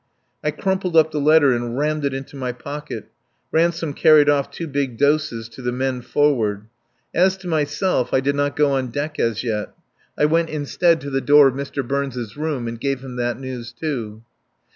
I crumpled up the letter and rammed it into my pocket. Ransome carried off two big doses to the men forward. As to myself, I did not go on deck as yet. I went instead to the door of Mr. Burns' room, and gave him that news, too.